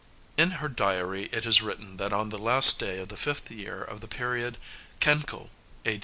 In her diary it is written that on the last night of the fifth year of the period Kankô (A.